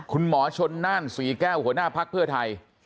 คุณหมอชนนั่งสี่แก้วหัวหน้าพักเพื่อไทย